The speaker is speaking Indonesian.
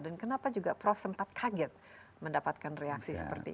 dan kenapa juga prof sempat kaget mendapatkan reaksi seperti ini